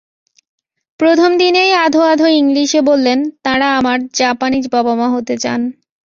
প্রথম দিনই আধো আধো ইংলিশে বললেন, তাঁরা আমার জাপানিজ বাবা-মা হতে চান।